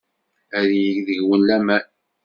Ad yeg deg-wen laman.